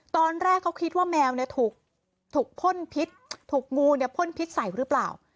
ตอนแรกเขาคิดว่าแมวถูกพ่นพิษถูกงูเนี่ยพ่นพิษใส่หรือเปล่า